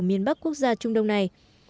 miền bắc quốc gia trung đông này